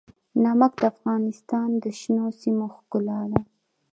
نمک د افغانستان د شنو سیمو ښکلا ده.